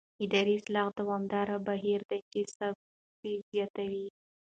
اداري اصلاح دوامداره بهیر دی چې ثبات زیاتوي